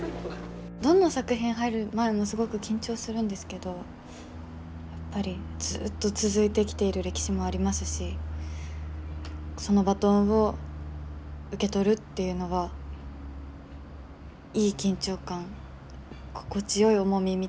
どんな作品入る前もすごく緊張するんですけどやっぱりずっと続いてきている歴史もありますしそのバトンを受け取るっていうのはいい緊張感心地よい重みみたいなものがありました。